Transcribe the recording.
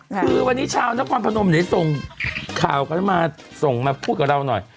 คือวันนี้ชาวนครพนมไหนส่งข่าวกันมาส่งมาพูดกับเราหน่อย